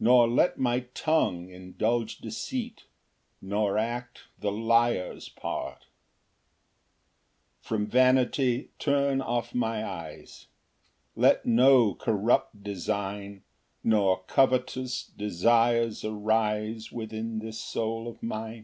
Nor let my tongue indulge deceit, Nor act the liar's part. Ver. 37 36. 3 From vanity turn off my eyes: Let no corrupt design, Nor covetous desires arise Within this soul of mine.